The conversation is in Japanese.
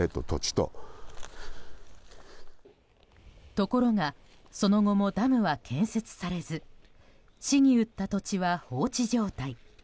ところがその後もダムは建設されず市に売った土地は放置状態。